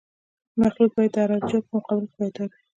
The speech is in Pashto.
مخلوط باید د عراده جاتو په مقابل کې پایدار وي